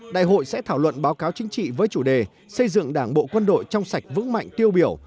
đại hội sẽ thảo luận báo cáo chính trị với chủ đề xây dựng đảng bộ quân đội trong sạch vững mạnh tiêu biểu